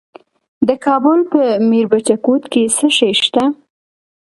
د کابل په میربچه کوټ کې څه شی شته؟